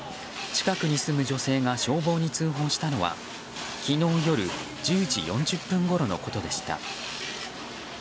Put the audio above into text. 近くに住む女性が消防に通報したのは昨日夜１０時４０分ごろのことでした。